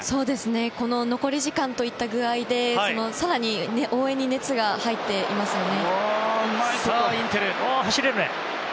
この残り時間といった具合で更に応援に熱が入っていますね。